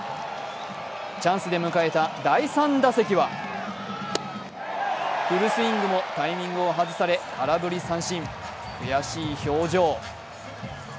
チャンスで迎えた第３打席はフルスイングもタイミングを外され空振り三振、悔しい表情。